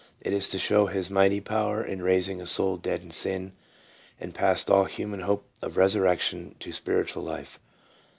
It is to show his mighty power in raising a soul dead in sin, and past all human hope of resurrection, to spiritual life.